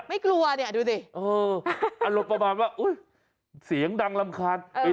ไม่กลัวเนี่ยดูสิ